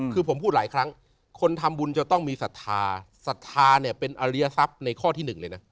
คือผมพูดหลายครั้งคนทำบุญจะต้องมีศรัทธาศรัทธาเนี่ยเป็นอริยทรัพย์ในข้อที่หนึ่งเลยนะ